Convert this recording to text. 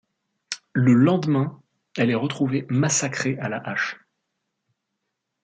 Le lendemain, elle est retrouvée massacrée à la hache.